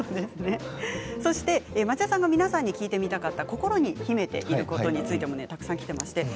町田さんが皆さんに聞いてみたかった心に秘めていることについてもたくさんきています。